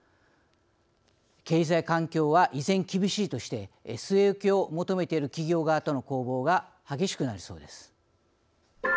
経済環境は依然厳しいとして据え置きを求めている企業側との攻防が激しくなりそうです。